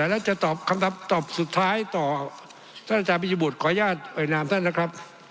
แล้วจะตอบคำถามตอบสุดท้ายต่อท่านอาจารย์ปียบุตรขออนุญาตเอ่ยนามท่านนะครับ